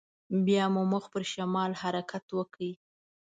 بيا مو مخ پر شمال حرکت وکړ.